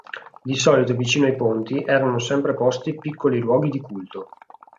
Di solito vicino ai ponti erano sempre posti piccoli luoghi di culto.